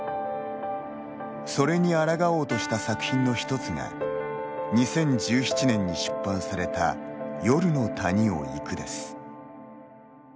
それにあらがおうとした作品の１つが２０１７年に出版された「夜の谷を行く」です。